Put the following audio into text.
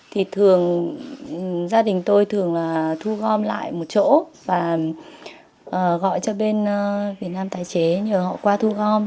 thì thường gia đình tôi thường là thu gom lại một chỗ và gọi cho bên việt nam tái chế nhờ họ qua thu gom